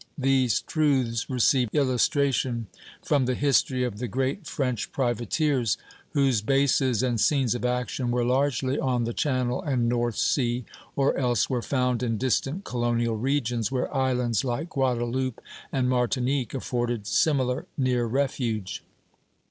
These truths receive illustration from the history of the great French privateers, whose bases and scenes of action were largely on the Channel and North Sea, or else were found in distant colonial regions, where islands like Guadaloupe and Martinique afforded similar near refuge.